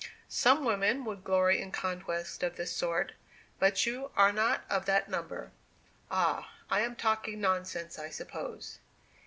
Some women would glory in a conquest of this sort, but you are not of that number. Ah, I am talking nonsense, I suppose."